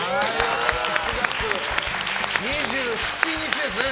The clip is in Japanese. ９月２７日ですね。